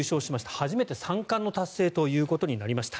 初めて３冠の達成ということになりました。